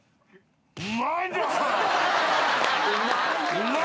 うまい！